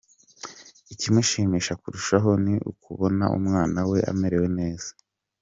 Ikimushimisha kurushaho, ni ukubona umwana we amerewe neza.